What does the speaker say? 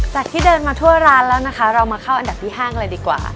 ที่เดินมาทั่วร้านแล้วนะคะเรามาเข้าอันดับที่๕เลยดีกว่า